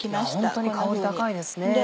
ホントに香り高いですね。